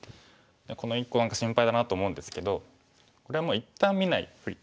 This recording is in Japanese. この１個が何か心配だなと思うんですけどこれはもう一旦見ないふり。